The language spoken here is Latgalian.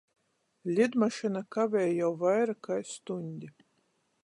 Lidmašyna kavej jau vaira kai stuņdi.